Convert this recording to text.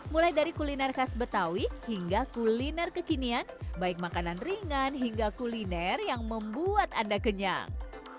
mulai dari kuliner khas betawi hingga kuliner kekinian baik makanan ringan hingga kuliner yang membuat anda kenyang